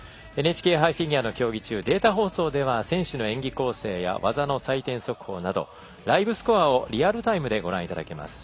ＮＨＫ杯フィギュアの競技中競技中、データ放送では選手の演技構成技の採点速報などライブスコアをリアルタイムでご覧いただけます。